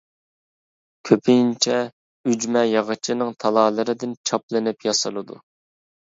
كۆپىنچە ئۈجمە ياغىچىنىڭ تالالىرىدىن چاپلىنىپ ياسىلىدۇ.